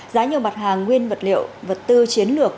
giá nhiều mặt hàng nguyên vật liệu vật tư chiến lược